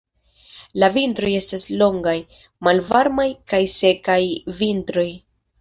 La vintroj estas longaj, malvarmaj kaj sekaj vintroj.